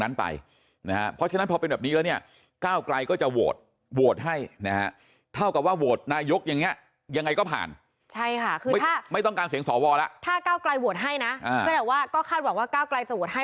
ถ้าเก้าไกรโหวตให้นะก็คาดหวังว่าเก้าไกรจะโหวตให้